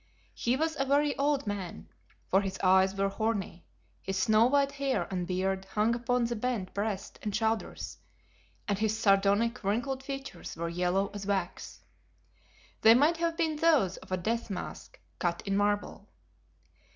He was a very old man, for his eyes were horny, his snow white hair and beard hung upon the bent breast and shoulders, and his sardonic, wrinkled features were yellow as wax. They might have been those of a death mask cut in marble.